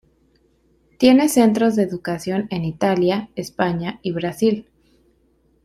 Tiene centros de educación en Italia, España y Brasil.